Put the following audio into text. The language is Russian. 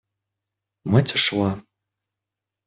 Мать ушла.